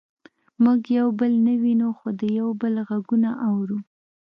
موږ یو بل نه وینو خو د یو بل غږونه اورو